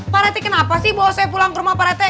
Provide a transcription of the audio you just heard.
pak rete kenapa sih bawa saya pulang ke rumah pak rete